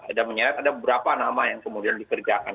ada menyeret ada beberapa nama yang kemudian dikerjakan